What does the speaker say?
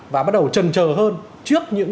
và bắt đầu trần trờ hơn trước những